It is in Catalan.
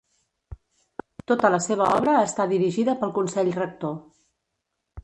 Tota la seva obra està dirigida pel Consell Rector.